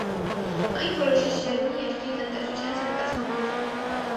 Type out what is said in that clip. Այն որոշիչ դեր ունի երկրի տնտեսության զարգացման գործում։